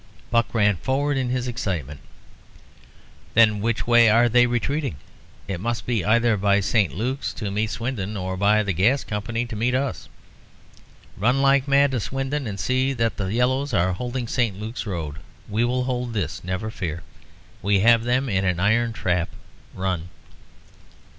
Buck ran forward in his excitement. "Then, which way are they retreating? It must be either by St. Luke's to meet Swindon, or by the Gas Company to meet us. Run like mad to Swindon, and see that the yellows are holding the St. Luke's Road. We will hold this, never fear. We have them in an iron trap. Run!"